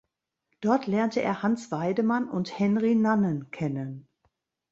Dort lernte er Hans Weidemann und Henri Nannen kennen.